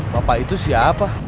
bapak itu siapa